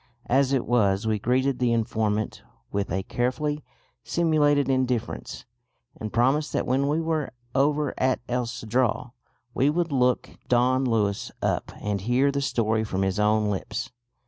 As it was we greeted the informant with a carefully simulated indifference, and promised that when we were over at El Cedral we would look Don Luis up and hear the story from his own lips.